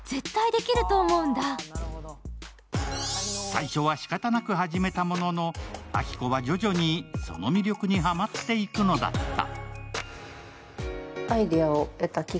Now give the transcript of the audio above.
最初は仕方なく始めたものの明子は徐々にその魅力にハマっていくのだった。